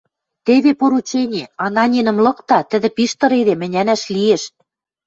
Теве поручени, Ананинӹм лыкда, тӹдӹ пиш тыр эдем, ӹнянӓш лиэш.